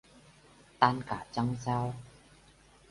Tan cả trăng sao